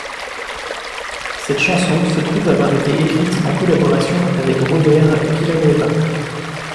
Cette chanson se trouve avoir été écrite en collaboration avec Robert Villanueva.